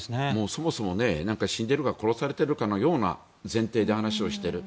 そもそも死んでるか殺されてるかのような前提で話をしている。